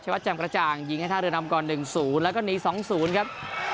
วัดจำกระจ่างยิงให้ท่าเรือนำก่อน๑๐แล้วก็หนี๒๐ครับ